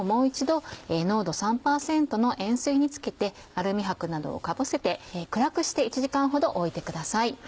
一度濃度３％の塩水に漬けてアルミ箔などをかぶせて暗くして１時間ほど置いてください。